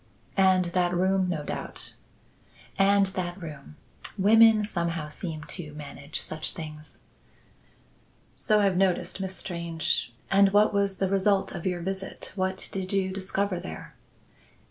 "And that room no doubt." "And that room. Women, somehow, seem to manage such things." "So I've noticed, Miss Strange. And what was the result of your visit? What did you discover there?"